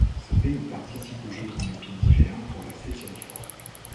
Ce pays participe aux Jeux olympiques d'hiver pour la septième fois.